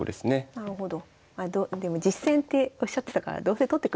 なるほど。